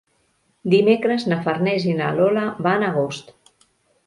Dimecres na Farners i na Lola van a Agost.